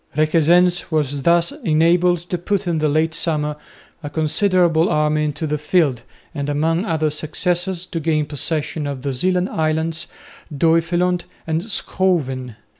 Requesens was thus enabled to put in the late summer a considerable army into the field and among other successes to gain possession of the Zeeland islands, Duiveland and Schouwen.